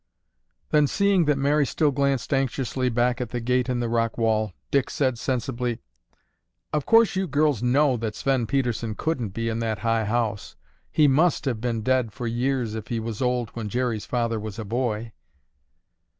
Then, seeing that Mary still glanced anxiously back at the gate in the rock wall, Dick said sensibly, "Of course you girls know that Sven Pedersen couldn't be in that high house. He must have been dead for years if he was old when Jerry's father was a boy."